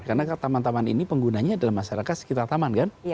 karena taman taman ini penggunanya adalah masyarakat sekitar taman